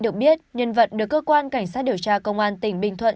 được biết nhân vật được cơ quan cảnh sát điều tra công an tỉnh bình thuận